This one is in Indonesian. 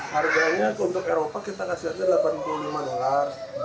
harganya untuk eropa kita kasih harga delapan puluh lima dolar